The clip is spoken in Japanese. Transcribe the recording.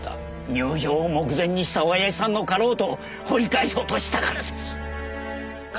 入定を目前にしたおやじさんのかろうとを掘り返そうとしたからです。